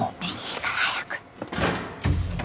いいから早く。